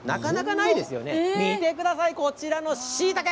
見てください、こちらのしいたけ。